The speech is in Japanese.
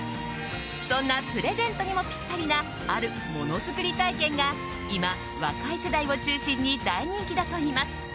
そんなプレゼントにもぴったりなある物作り体験が今、若い世代を中心に大人気だといいます。